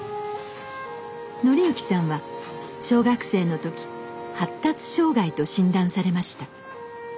範之さんは小学生の時発達障害と診断されました。